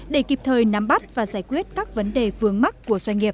để kịp thời nắm bắt và giải quyết các vấn đề vướng mắt của doanh nghiệp